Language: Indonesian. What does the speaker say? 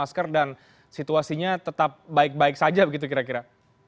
masker dan situasinya tetap baik baik saja begitu kira kira